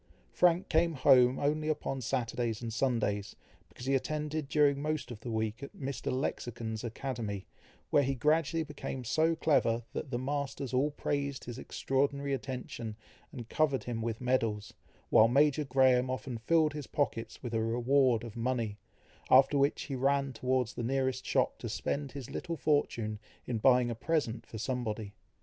Frank came home only upon Saturdays and Sundays, because he attended during most of the week at Mr. Lexicon's academy, where he gradually became so clever, that the masters all praised his extraordinary attention, and covered him with medals, while Major Graham often filled his pockets with a reward of money, after which he ran towards the nearest shop to spend his little fortune in buying a present for somebody.